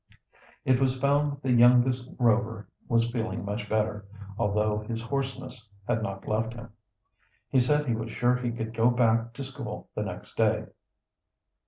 It was found that the youngest Rover was feeling much better, although his hoarseness had not left him. He said he was sure he could go back to school the next day.